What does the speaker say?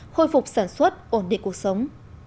khôi phục sản xuất ổn định cuộc sống